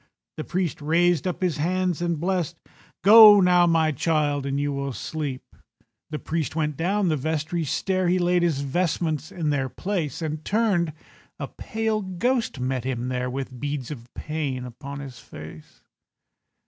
The priest raised up his hands and blest— "Go now, my child, and you will sleep." The priest went down the vestry stair, He laid his vestments in their place, And turned—a pale ghost met him there, With beads of pain upon his face.